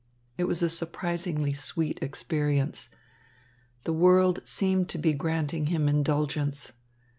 It was a surprisingly sweet experience. The world seemed to be granting him indulgence.